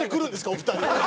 お二人。